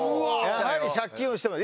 やはり借金をしてまで。